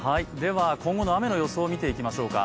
今後の雨の予想を見ていきましょうか。